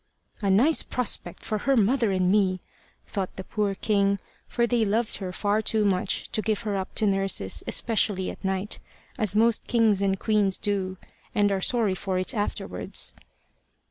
"A nice prospect for her mother and me!" thought the poor king; for they loved her far too much to give her up to nurses, especially at night, as most kings and queens do and are sorry for it afterwards.